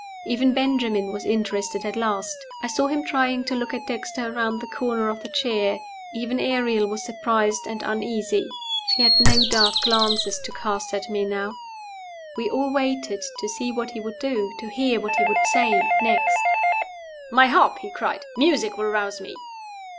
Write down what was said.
Even Benjamin was interested at last; I saw him trying to look at Dexter around the corner of the chair. Even Ariel was surprised and uneasy. She had no dark glances to cast at me now. We all waited to see what he would do, to hear what he would say, next. "My harp!" he cried. "Music will rouse me."